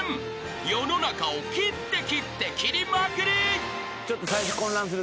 世の中を斬って斬って斬りまくる］